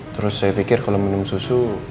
terus saya pikir kalau minum susu